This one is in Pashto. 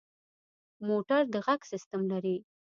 موټر د غږ سیسټم لري.